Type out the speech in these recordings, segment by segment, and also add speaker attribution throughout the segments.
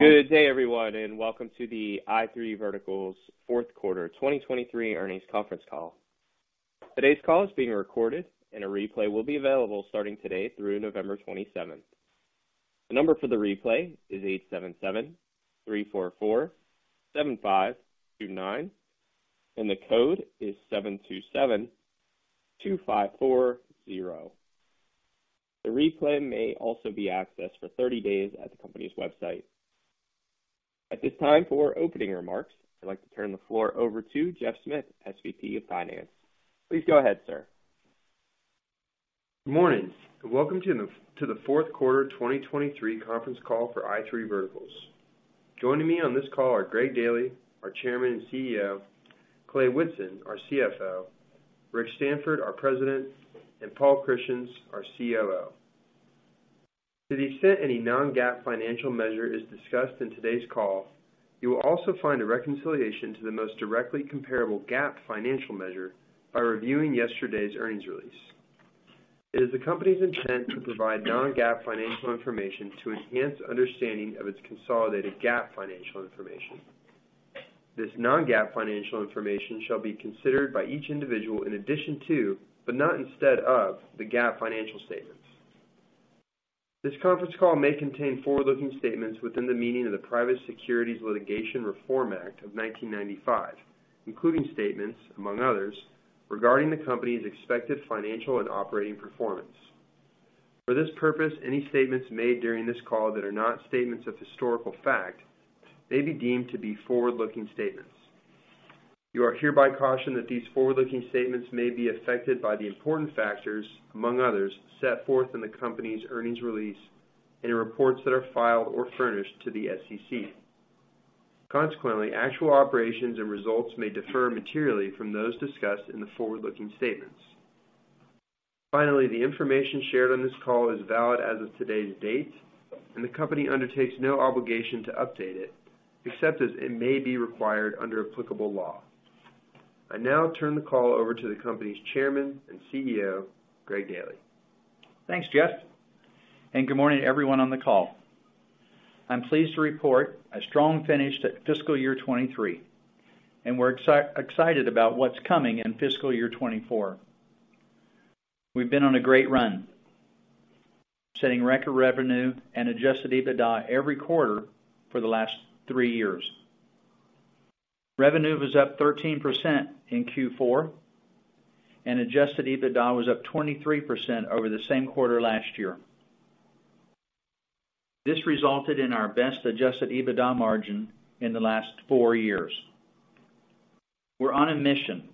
Speaker 1: Good day, everyone, and welcome to the i3 Verticals Fourth Quarter 2023 Earnings Conference Call. Today's call is being recorded, and a replay will be available starting today through November 27th. The number for the replay is 877-344-7529, and the code is 727-2540. The replay may also be accessed for 30 days at the company's website. At this time, for opening remarks, I'd like to turn the floor over to Geoff Smith, SVP of Finance. Please go ahead, sir.
Speaker 2: Good morning, and welcome to the fourth quarter 2023 conference call for i3 Verticals. Joining me on this call are Greg Daily, our Chairman and CEO, Clay Whitson, our CFO, Rick Stanford, our President, and Paul Christians, our COO. To the extent any non-GAAP financial measure is discussed in today's call, you will also find a reconciliation to the most directly comparable GAAP financial measure by reviewing yesterday's earnings release. It is the company's intent to provide non-GAAP financial information to enhance understanding of its consolidated GAAP financial information. This non-GAAP financial information shall be considered by each individual in addition to, but not instead of, the GAAP financial statements. This conference call may contain forward-looking statements within the meaning of the Private Securities Litigation Reform Act of 1995, including statements, among others, regarding the company's expected financial and operating performance. For this purpose, any statements made during this call that are not statements of historical fact may be deemed to be forward-looking statements. You are hereby cautioned that these forward-looking statements may be affected by the important factors, among others, set forth in the company's earnings release and in reports that are filed or furnished to the SEC. Consequently, actual operations and results may differ materially from those discussed in the forward-looking statements. Finally, the information shared on this call is valid as of today's date, and the company undertakes no obligation to update it, except as it may be required under applicable law. I now turn the call over to the company's Chairman and CEO, Greg Daily.
Speaker 3: Thanks, Geoff, and good morning to everyone on the call. I'm pleased to report a strong finish to fiscal year 2023, and we're excited about what's coming in fiscal year 2024. We've been on a great run, setting record revenue and Adjusted EBITDA every quarter for the last three years. Revenue was up 13% in Q4, and Adjusted EBITDA was up 23% over the same quarter last year. This resulted in our best Adjusted EBITDA margin in the last four years. We're on a mission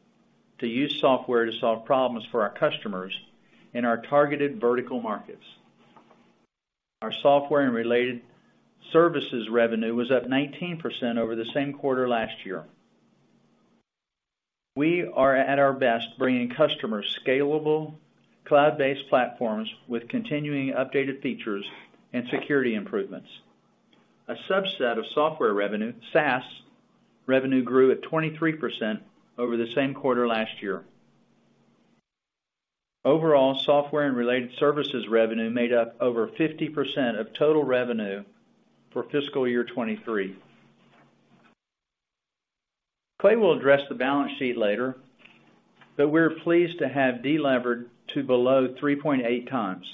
Speaker 3: to use software to solve problems for our customers in our targeted vertical markets. Our software and related services revenue was up 19% over the same quarter last year. We are at our best bringing customers scalable, cloud-based platforms with continuing updated features and security improvements. A subset of software revenue, SaaS revenue, grew at 23% over the same quarter last year. Overall, software and related services revenue made up over 50% of total revenue for fiscal year 2023. Clay will address the balance sheet later, but we're pleased to have delevered to below 3.8 times.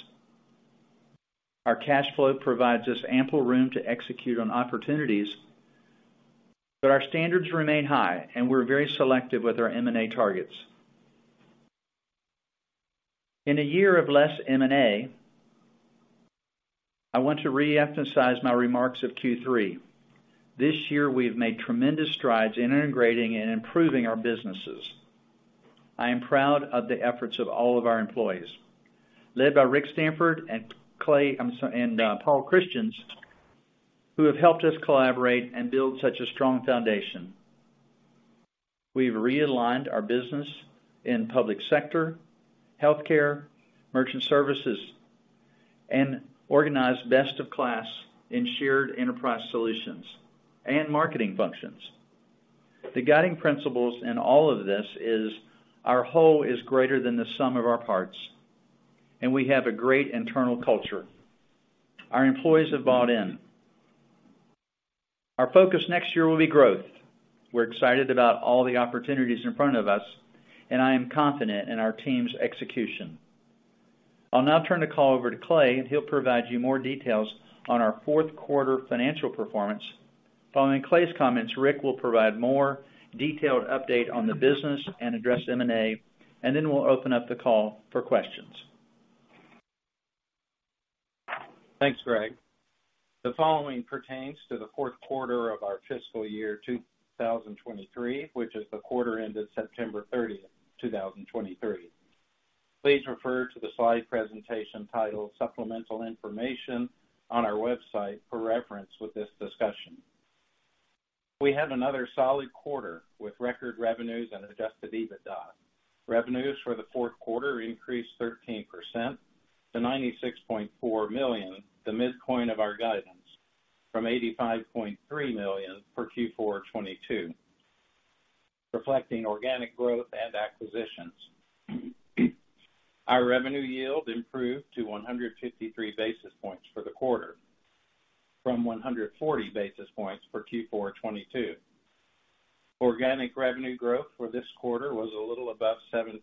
Speaker 3: Our cash flow provides us ample room to execute on opportunities, but our standards remain high, and we're very selective with our M&A targets. In a year of less M&A, I want to reemphasize my remarks of Q3. This year, we've made tremendous strides in integrating and improving our businesses. I am proud of the efforts of all of our employees, led by Rick Stanford and Clay, I'm sorry, and Paul Christians, who have helped us collaborate and build such a strong foundation. We've realigned our business in public sector, healthcare, merchant services, and organized best of class in shared enterprise solutions and marketing functions. The guiding principles in all of this is our whole is greater than the sum of our parts, and we have a great internal culture. Our employees have bought in. Our focus next year will be growth. We're excited about all the opportunities in front of us, and I am confident in our team's execution. I'll now turn the call over to Clay, and he'll provide you more details on our fourth quarter financial performance. Following Clay's comments, Rick will provide more detailed update on the business and address M&A, and then we'll open up the call for questions.
Speaker 4: Thanks, Greg. The following pertains to the fourth quarter of our fiscal year 2023, which is the quarter ended September 30, 2023. Please refer to the slide presentation titled Supplemental Information on our website for reference with this discussion. We had another solid quarter with record revenues and Adjusted EBITDA. Revenues for the fourth quarter increased 13% to $96.4 million, the midpoint of our guidance, from $85.3 million for Q4 2022, reflecting organic growth and acquisitions. Our revenue yield improved to 153 basis points for the quarter, from 140 basis points for Q4 2022. Organic revenue growth for this quarter was a little above 7%.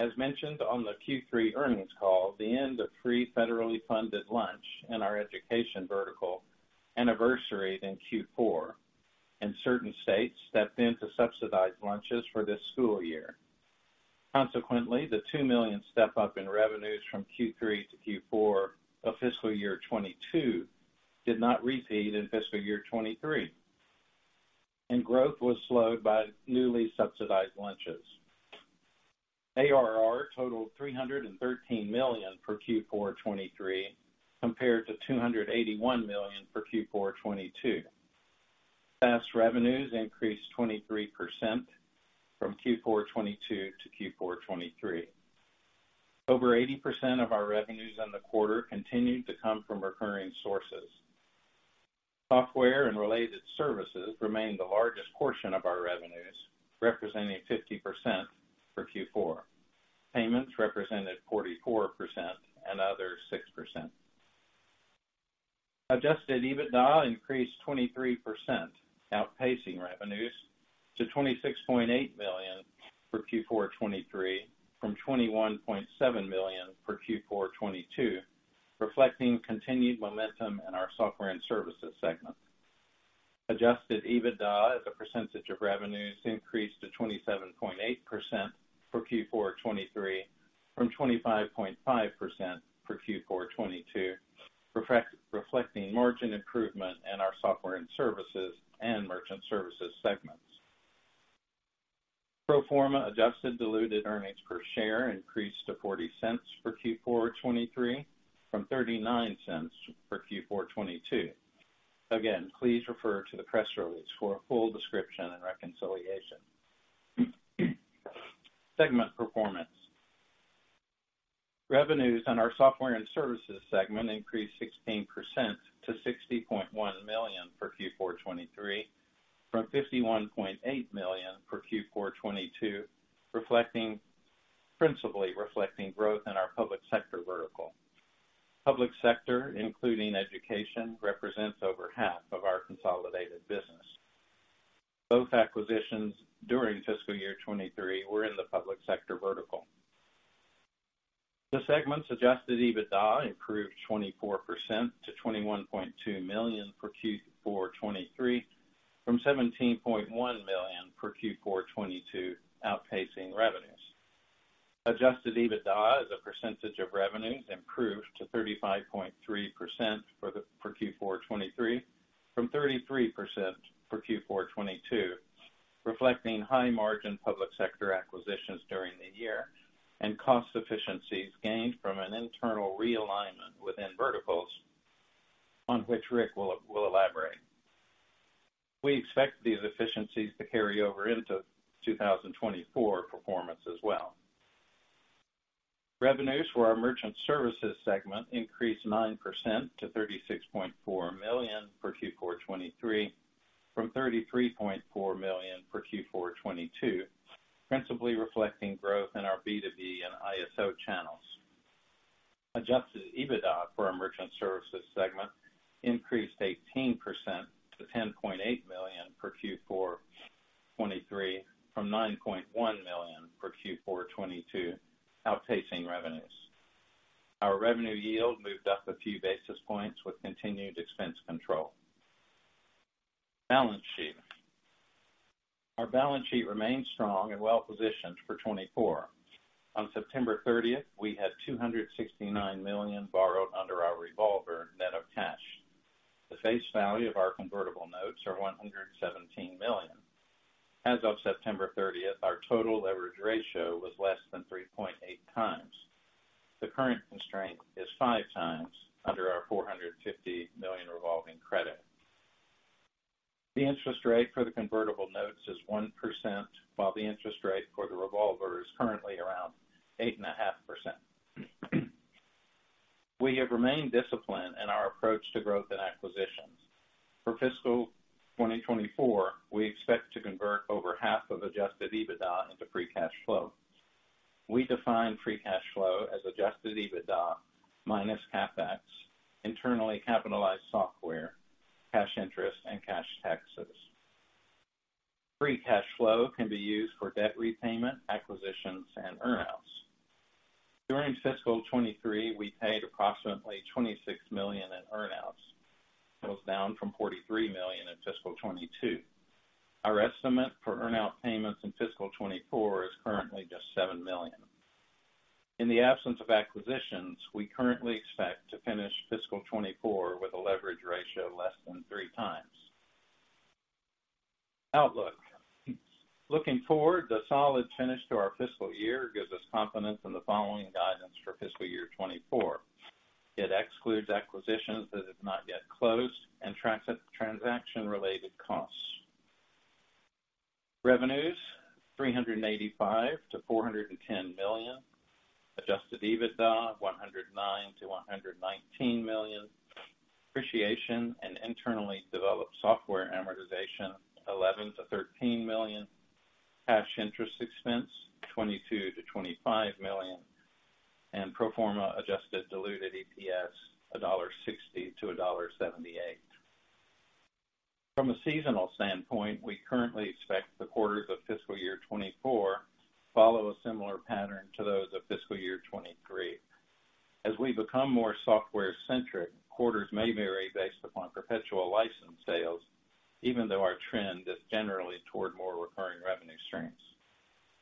Speaker 4: As mentioned on the Q3 earnings call, the end of free federally funded lunch in our education vertical anniversaried in Q4, and certain states stepped in to subsidize lunches for this school year. Consequently, the $2 million step up in revenues from Q3 to Q4 of fiscal year 2022 did not repeat in fiscal year 2023, and growth was slowed by newly subsidized lunches. ARR totaled $313 million for Q4 2023, compared to $281 million for Q4 2022. SaaS revenues increased 23% from Q4 2022 to Q4 2023. Over 80% of our revenues in the quarter continued to come from recurring sources. Software and related services remained the largest portion of our revenues, representing 50% for Q4. Payments represented 44% and other, 6%. Adjusted EBITDA increased 23%, outpacing revenues to $26.8 million for Q4 2023, from $21.7 million for Q4 2022, reflecting continued momentum in our software and services segment. Adjusted EBITDA as a percentage of revenues increased to 27.8% for Q4 2023, from 25.5% for Q4 2022, reflecting margin improvement in our software and services and merchant services segments. Pro forma adjusted diluted earnings per share increased to $0.40 for Q4 2023, from $0.39 for Q4 2022. Again, please refer to the press release for a full description and reconciliation. Segment performance. Revenues on our software and services segment increased 16% to $60.1 million for Q4 2023, from $51.8 million for Q4 2022, reflecting, principally, growth in our public sector vertical. Public sector, including education, represents over half of our consolidated business. Both acquisitions during fiscal year 2023 were in the public sector vertical. The segment's Adjusted EBITDA improved 24% to $21.2 million for Q4 2023, from $17.1 million for Q4 2022, outpacing revenues. Adjusted EBITDA as a percentage of revenues improved to 35.3% for Q4 2023 from 33% for Q4 2022, reflecting high margin public sector acquisitions during the year, and cost efficiencies gained from an internal realignment within verticals, on which Rick will elaborate. We expect these efficiencies to carry over into 2024 performance as well. Revenues for our merchant services segment increased 9% to $36.4 million for Q4 2023, from $33.4 million for Q4 2022, principally reflecting growth in our B2B and ISO channels. Adjusted EBITDA for our merchant services segment increased 18% to $10.8 million in Q4 2023, from $9.1 million in Q4 2022, outpacing revenues. Our revenue yield moved up a few basis points with continued expense control. Balance sheet. Our balance sheet remains strong and well-positioned for 2024. On September 30th, we had $269 million borrowed under our revolver net of cash. The face value of our convertible notes are $117 million. As of September 30th, our total leverage ratio was less than 3.8x. The current constraint is 5x under our $450 million revolving credit. The interest rate for the convertible notes is 1%, while the interest rate for the revolver is currently around 8.5%. We have remained disciplined in our approach to growth and acquisitions. For fiscal 2024, we expect to convert over half of Adjusted EBITDA into free cash flow. We define free cash flow as Adjusted EBITDA minus CapEx, internally capitalized software, cash interest, and cash taxes. Free cash flow can be used for debt repayment, acquisitions, and earnouts. During fiscal 2023, we paid approximately $26 million in earnouts. That was down from $43 million in fiscal 2022. Our estimate for earnout payments in fiscal 2024 is currently just $7 million. In the absence of acquisitions, we currently expect to finish fiscal 2024 with a leverage ratio of less than 3x. Outlook: Looking forward, the solid finish to our fiscal year gives us confidence in the following guidance for fiscal year 2024. It excludes acquisitions that have not yet closed and transaction-related costs. Revenues, $385 million-$410 million. Adjusted EBITDA, $109-$119 million. Depreciation and internally developed software amortization, $11 million-$13 million. Cash interest expense, $22 million-$25 million, and pro forma adjusted diluted EPS, $1.60-$1.78. From a seasonal standpoint, we currently expect the quarters of fiscal year 2024 follow a similar pattern to those of fiscal year 2023. As we become more software-centric, quarters may vary based upon perpetual license sales, even though our trend is generally toward more recurring revenue streams.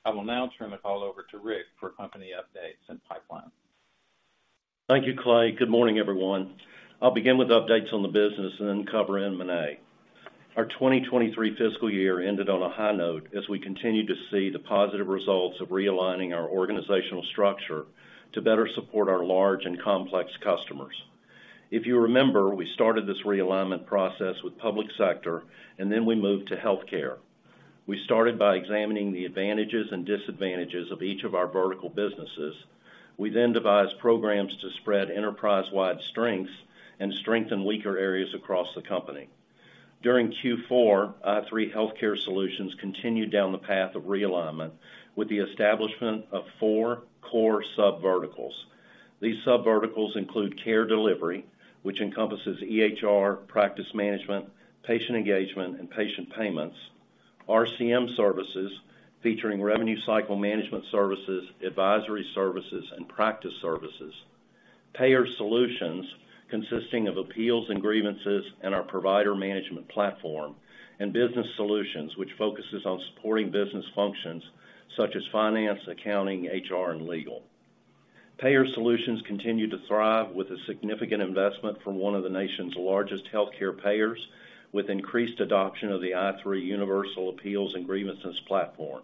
Speaker 4: I will now turn the call over to Rick for company updates and pipeline.
Speaker 5: Thank you, Clay. Good morning, everyone. I'll begin with updates on the business and then cover M&A. Our 2023 fiscal year ended on a high note as we continued to see the positive results of realigning our organizational structure to better support our large and complex customers. If you remember, we started this realignment process with public sector, and then we moved to healthcare. We started by examining the advantages and disadvantages of each of our vertical businesses. We then devised programs to spread enterprise-wide strengths and strengthen weaker areas across the company. During Q4, i3 Healthcare Solutions continued down the path of realignment with the establishment of four core subverticals. These subverticals include care delivery, which encompasses EHR, practice management, patient engagement, and patient payments; RCM services, featuring revenue cycle management services, advisory services, and practice services; payer solutions, consisting of appeals and grievances, and our provider management platform; and business solutions, which focuses on supporting business functions such as finance, accounting, HR, and legal. Payer Solutions continue to thrive with a significant investment from one of the nation's largest healthcare payers, with increased adoption of the i3 Universal Appeals and Grievances platform.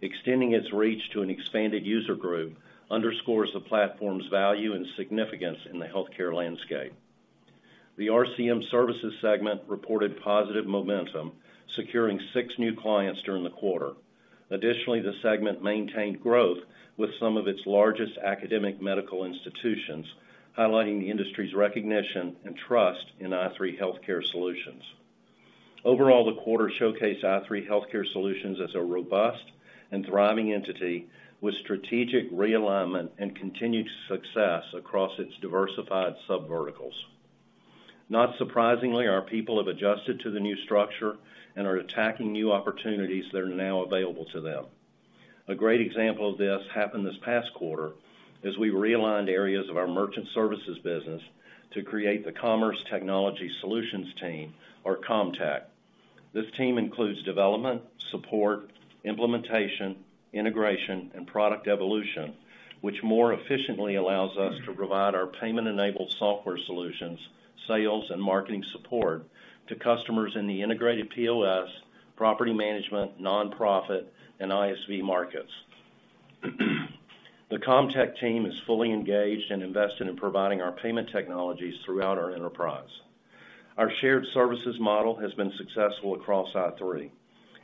Speaker 5: Extending its reach to an expanded user group underscores the platform's value and significance in the healthcare landscape. The RCM Services segment reported positive momentum, securing six new clients during the quarter. Additionally, the segment maintained growth with some of its largest academic medical institutions, highlighting the industry's recognition and trust in i3 Healthcare Solutions. Overall, the quarter showcased i3 Healthcare Solutions as a robust and thriving entity with strategic realignment and continued success across its diversified subverticals. Not surprisingly, our people have adjusted to the new structure and are attacking new opportunities that are now available to them. A great example of this happened this past quarter, as we realigned areas of our merchant services business to create the Commerce Technology Solutions team, or ComTech. This team includes development, support, implementation, integration, and product evolution, which more efficiently allows us to provide our payment-enabled software solutions, sales, and marketing support to customers in the integrated POS, property management, nonprofit, and ISV markets. The ComTech team is fully engaged and invested in providing our payment technologies throughout our enterprise. Our shared services model has been successful across i3.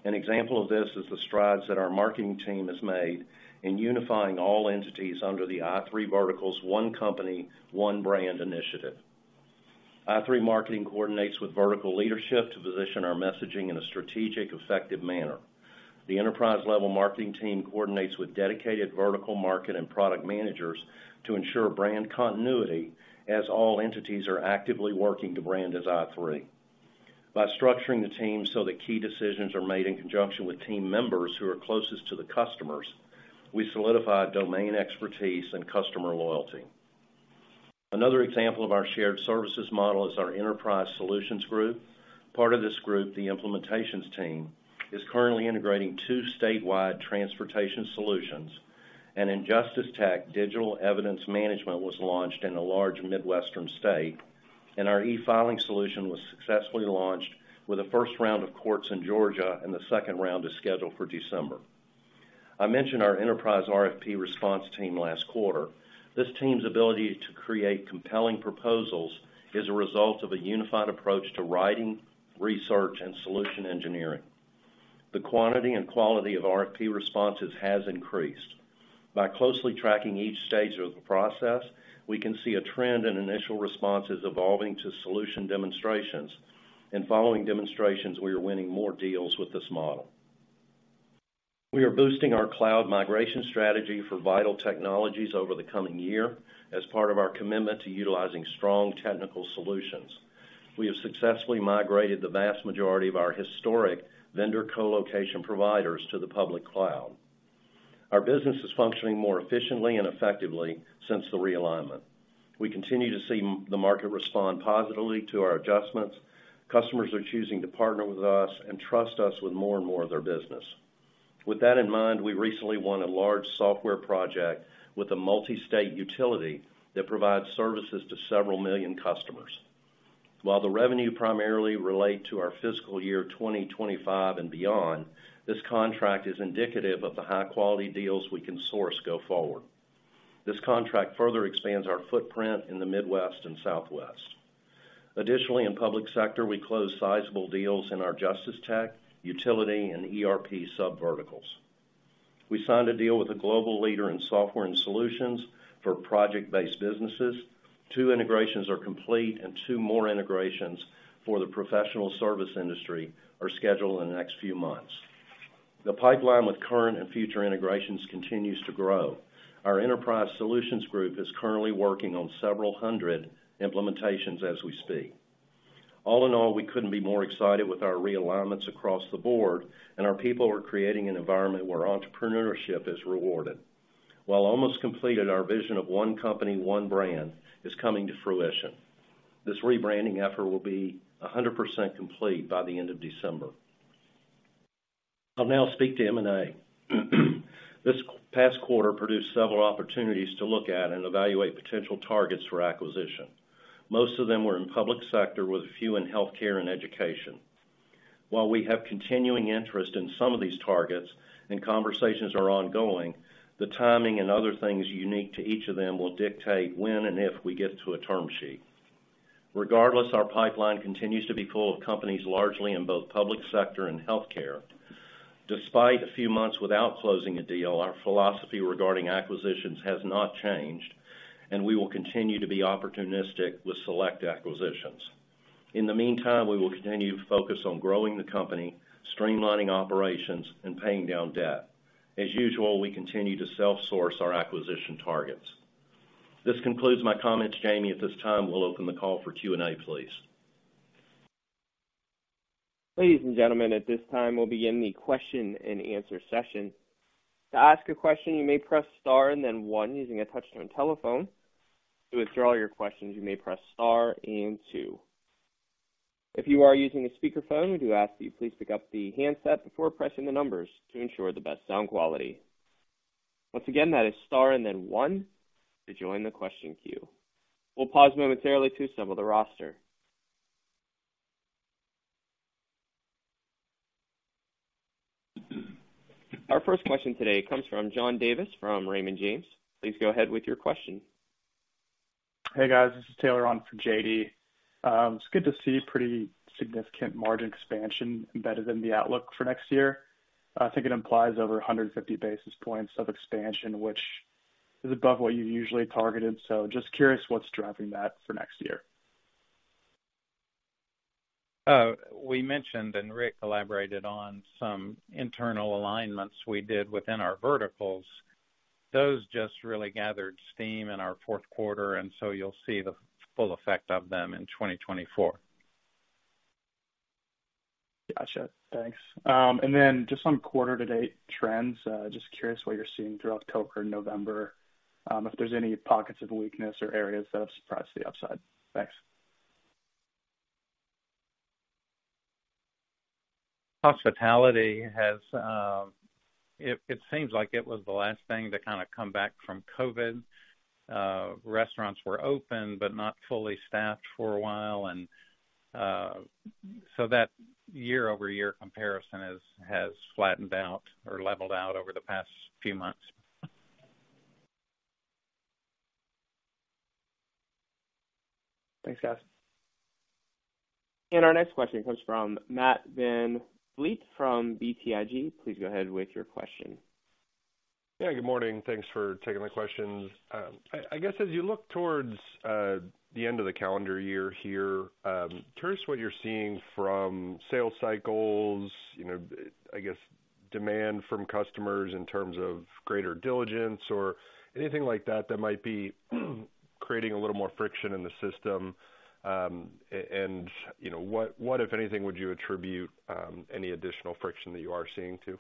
Speaker 5: An example of this is the strides that our marketing team has made in unifying all entities under the i3 Verticals One Company, One Brand initiative. i3 Marketing coordinates with vertical leadership to position our messaging in a strategic, effective manner. The enterprise-level marketing team coordinates with dedicated vertical market and product managers to ensure brand continuity, as all entities are actively working to brand as i3. By structuring the team so that key decisions are made in conjunction with team members who are closest to the customers, we solidify domain expertise and customer loyalty. Another example of our shared services model is our enterprise solutions group. Part of this group, the implementations team, is currently integrating two statewide transportation solutions, and in JusticeTech, digital evidence management was launched in a large Midwestern state, and our e-filing solution was successfully launched with the first round of courts in Georgia, and the second round is scheduled for December. I mentioned our enterprise RFP response team last quarter. This team's ability to create compelling proposals is a result of a unified approach to writing, research, and solution engineering. The quantity and quality of RFP responses has increased. By closely tracking each stage of the process, we can see a trend in initial responses evolving to solution demonstrations, and following demonstrations, we are winning more deals with this model. We are boosting our cloud migration strategy for vital technologies over the coming year as part of our commitment to utilizing strong technical solutions. We have successfully migrated the vast majority of our historic vendor colocation providers to the public cloud. Our business is functioning more efficiently and effectively since the realignment. We continue to see the market respond positively to our adjustments. Customers are choosing to partner with us and trust us with more and more of their business. With that in mind, we recently won a large software project with a multi-state utility that provides services to several million customers. While the revenue primarily relate to our fiscal year 2025 and beyond, this contract is indicative of the high-quality deals we can source go forward. This contract further expands our footprint in the Midwest and Southwest. Additionally, in public sector, we closed sizable deals in our JusticeTech, utility, and ERP subverticals. We signed a deal with a global leader in software and solutions for project-based businesses. Two integrations are complete, and Two more integrations for the professional service industry are scheduled in the next few months. The pipeline with current and future integrations continues to grow. Our enterprise solutions group is currently working on several hundred implementations as we speak. All in all, we couldn't be more excited with our realignments across the board, and our people are creating an environment where entrepreneurship is rewarded. While almost completed, our vision of one company, one brand, is coming to fruition. This rebranding effort will be 100% complete by the end of December. I'll now speak to M&A. This past quarter produced several opportunities to look at and evaluate potential targets for acquisition. Most of them were in public sector, with a few in healthcare and education. While we have continuing interest in some of these targets and conversations are ongoing, the timing and other things unique to each of them will dictate when and if we get to a term sheet. Regardless, our pipeline continues to be full of companies, largely in both public sector and healthcare. Despite a few months without closing a deal, our philosophy regarding acquisitions has not changed, and we will continue to be opportunistic with select acquisitions. In the meantime, we will continue to focus on growing the company, streamlining operations, and paying down debt. As usual, we continue to self-source our acquisition targets. This concludes my comments. Jamie, at this time, we'll open the call for Q&A, please.
Speaker 1: Ladies and gentlemen, at this time, we'll begin the question-and-answer session. To ask a question, you may press star and then one using a touch-tone telephone. To withdraw your questions, you may press star and two. If you are using a speakerphone, we do ask that you please pick up the handset before pressing the numbers to ensure the best sound quality. Once again, that is star and then one to join the question queue. We'll pause momentarily to assemble the roster. Our first question today comes from John Davis, from Raymond James. Please go ahead with your question.
Speaker 6: Hey, guys. This is Taylor on for JD. It's good to see pretty significant margin expansion embedded in the outlook for next year. I think it implies over 150 basis points of expansion, which is above what you usually targeted. So just curious what's driving that for next year?
Speaker 4: Oh, we mentioned, and Rick elaborated on some internal alignments we did within our verticals. Those just really gathered steam in our fourth quarter, and so you'll see the full effect of them in 2024.
Speaker 6: Gotcha. Thanks. And then just on quarter-to-date trends, just curious what you're seeing throughout October and November, if there's any pockets of weakness or areas that have surprised the upside? Thanks.
Speaker 4: Hospitality has. It seems like it was the last thing to kind of come back from COVID. Restaurants were open but not fully staffed for a while, and so that year-over-year comparison has flattened out or leveled out over the past few months.
Speaker 6: Thanks, guys.
Speaker 1: Our next question comes from Matt VanVleet from BTIG. Please go ahead with your question.
Speaker 7: Yeah, good morning. Thanks for taking my questions. I guess, as you look towards the end of the calendar year here, curious what you're seeing from sales cycles, you know, I guess, demand from customers in terms of greater diligence or anything like that that might be creating a little more friction in the system. And you know, what, if anything, would you attribute any additional friction that you are seeing to?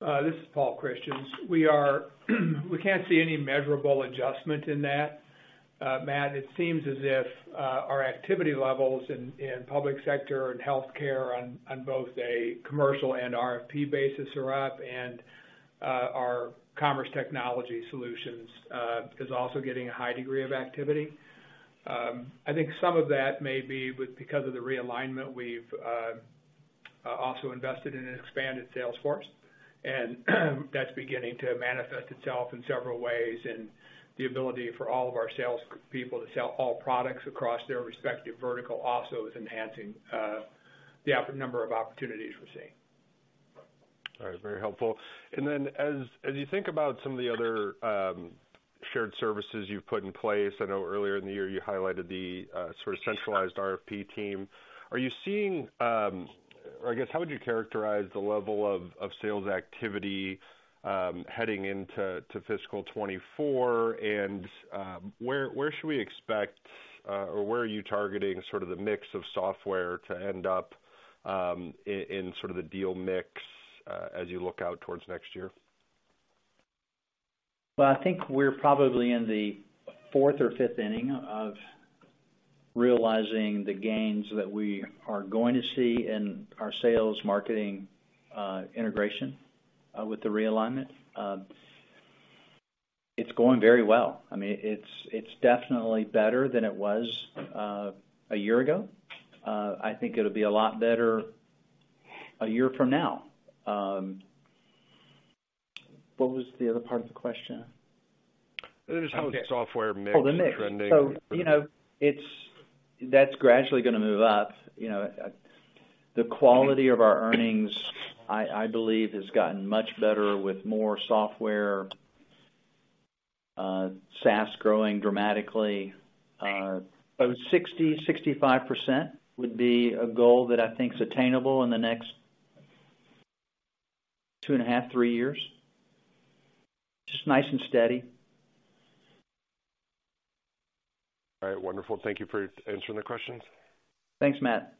Speaker 8: This is Paul Christians. We can't see any measurable adjustment in that. Matt, it seems as if our activity levels in public sector and healthcare on both a commercial and RFP basis are up, and our commerce technology solutions is also getting a high degree of activity. I think some of that may be because of the realignment. We've also invested in an expanded sales force, and that's beginning to manifest itself in several ways. The ability for all of our sales people to sell all products across their respective vertical also is enhancing the number of opportunities we're seeing.
Speaker 7: All right. Very helpful. And then as you think about some of the other shared services you've put in place, I know earlier in the year, you highlighted the sort of centralized RFP team. Are you seeing or I guess, how would you characterize the level of sales activity heading into fiscal 2024? And where should we expect or where are you targeting sort of the mix of software to end up in sort of the deal mix as you look out towards next year?
Speaker 4: Well, I think we're probably in the fourth or fifth inning of realizing the gains that we are going to see in our sales, marketing, integration, with the realignment. It's going very well. I mean, it's, it's definitely better than it was a year ago. I think it'll be a lot better a year from now.
Speaker 3: What was the other part of the question?
Speaker 7: Just how the software mix is trending.
Speaker 4: Oh, the mix. So, you know, it's, that's gradually gonna move up. You know, the quality of our earnings, I, I believe, has gotten much better with more software, SaaS growing dramatically. About 60%-65% would be a goal that I think is attainable in the next two and a half-three years. Just nice and steady.
Speaker 7: All right. Wonderful. Thank you for answering the questions.
Speaker 3: Thanks, Matt.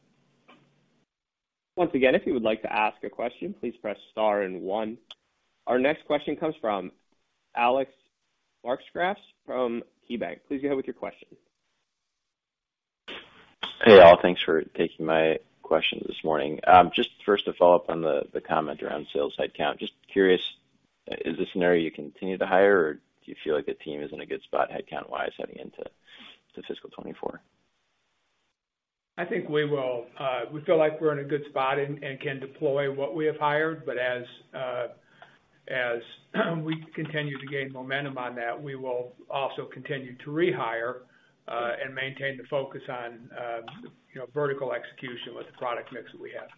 Speaker 1: Once again, if you would like to ask a question, please press star and One. Our next question comes from Alex Markgraff from KeyBanc. Please go ahead with your question.
Speaker 9: Hey, all. Thanks for taking my question this morning. Just first to follow up on the comment around sales headcount. Just curious, is this an area you continue to hire, or do you feel like the team is in a good spot, headcount-wise, heading into fiscal 2024?
Speaker 8: I think we will. We feel like we're in a good spot and can deploy what we have hired, but as we continue to gain momentum on that, we will also continue to rehire and maintain the focus on, you know, vertical execution with the product mix that we have.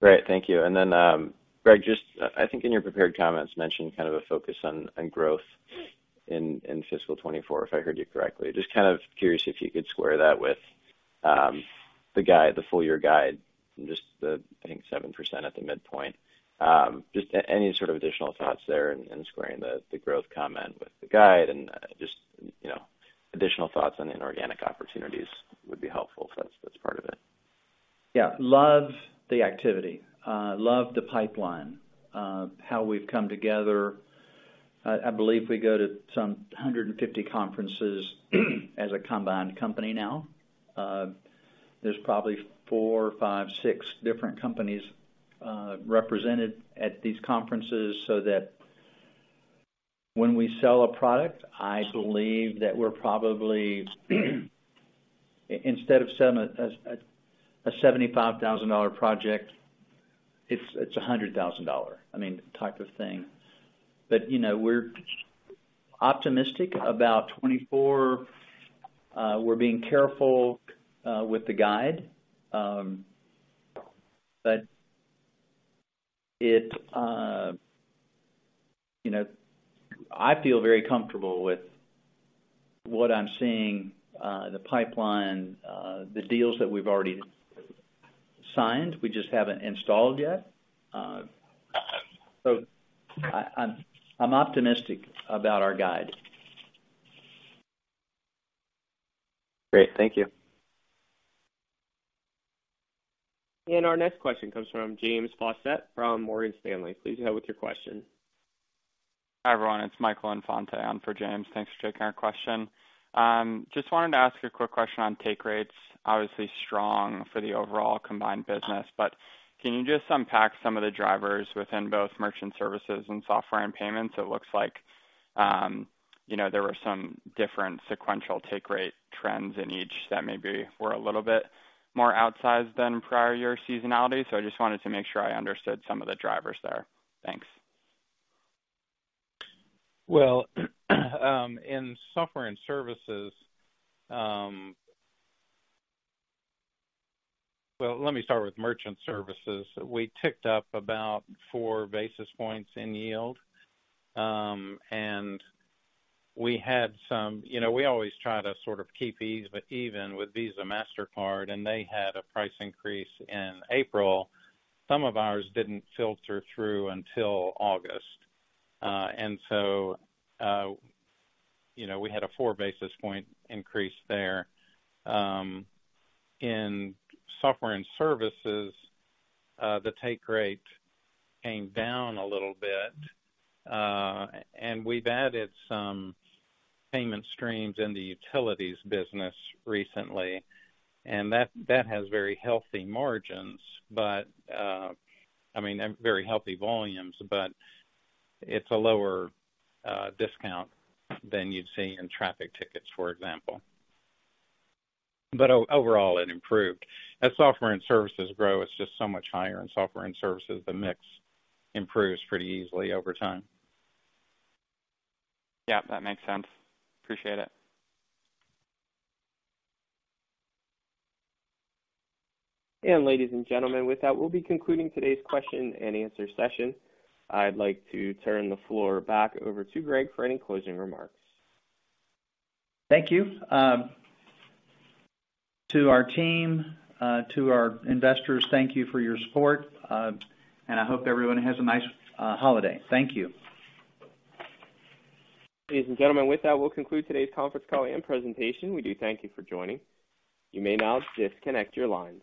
Speaker 9: Great. Thank you. And then, Greg, just, I think in your prepared comments, you mentioned kind of a focus on growth in fiscal 2024, if I heard you correctly. Just kind of curious if you could square that with the guide, the full-year guide and just the, I think, 7% at the midpoint. Just any sort of additional thoughts there in squaring the growth comment with the guide and just, you know, additional thoughts on the inorganic opportunities would be helpful. So that's, that's part of it.
Speaker 3: Yeah. Love the activity. Love the pipeline, how we've come together. I believe we go to some 150 conferences, as a combined company now. There's probably four, five, six different companies represented at these conferences, so that when we sell a product, I believe that we're probably instead of a $75,000 project, it's a $100,000, I mean, type of thing. But, you know, we're optimistic about 2024. We're being careful with the guide. But it, you know. I feel very comfortable with what I'm seeing, the pipeline, the deals that we've already signed, we just haven't installed yet. So I'm optimistic about our guide.
Speaker 9: Great. Thank you.
Speaker 1: Our next question comes from James Faucette, from Morgan Stanley. Please go ahead with your question.
Speaker 10: Hi, everyone, it's Michael Infante on for James. Thanks for taking our question. Just wanted to ask a quick question on take rates. Obviously, strong for the overall combined business, but can you just unpack some of the drivers within both merchant services and software and payments? It looks like, you know, there were some different sequential take rate trends in each that maybe were a little bit more outsized than prior year seasonality. So I just wanted to make sure I understood some of the drivers there. Thanks.
Speaker 4: Well, let me start with merchant services. We ticked up about 4 basis points in yield, and we had some—you know, we always try to sort of keep fees, but even with Visa, Mastercard, and they had a price increase in April, some of ours didn't filter through until August. And so, you know, we had a 4 basis point increase there. In software and services, the take rate came down a little bit, and we've added some payment streams in the utilities business recently, and that has very healthy margins, but, I mean, very healthy volumes, but it's a lower discount than you'd see in traffic tickets, for example. But overall, it improved. As software and services grow, it's just so much higher. In software and services, the mix improves pretty easily over time.
Speaker 10: Yeah, that makes sense. Appreciate it.
Speaker 1: Ladies and gentlemen, with that, we'll be concluding today's question and answer session. I'd like to turn the floor back over to Greg for any closing remarks.
Speaker 3: Thank you. To our team, to our investors, thank you for your support, and I hope everyone has a nice holiday. Thank you.
Speaker 1: Ladies and gentlemen, with that, we'll conclude today's conference call and presentation. We do thank you for joining. You may now disconnect your lines.